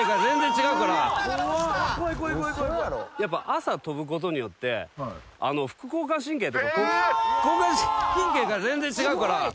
朝とぶことによって副交感神経とか交感神経が全然違うから。